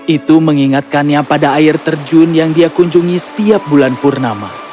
itu mengingatkannya pada air terjun yang dia kunjungi setiap bulan purnama